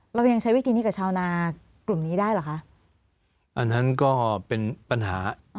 เรายังใช้วิธีนี้กับชาวนากลุ่มนี้ได้เหรอคะ